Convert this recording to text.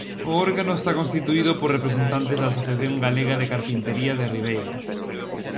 O órgano está constituído por representantes da Asociación Galega de Carpintería de Ribeira.